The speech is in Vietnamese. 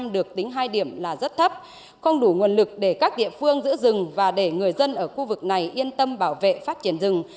được tính hai điểm là rất thấp không đủ nguồn lực để các địa phương giữ rừng và để người dân ở khu vực này yên tâm bảo vệ phát triển rừng